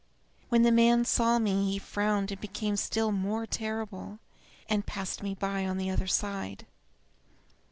When the man saw me he frowned and became still more terrible, and passed me by on the other side.